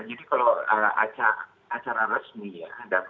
jadi kalau acara resmi ya